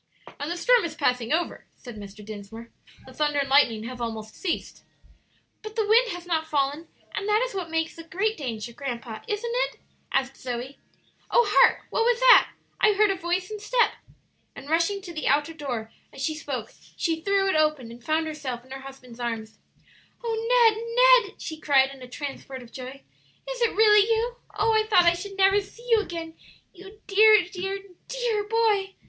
"And the storm is passing over," said Mr. Dinsmore; "the thunder and lightning have almost ceased." "But the wind has not fallen, and that is what makes the great danger, grandpa, isn't it?" asked Zoe. "Oh, hark, what was that? I heard a step and voice!" And rushing to the outer door as she spoke, she threw it open, and found herself in her husband's arms. "O Ned, Ned!" she cried, in a transport of joy, "is it really you? Oh, I thought I should never see you again, you dear, dear, dear boy!"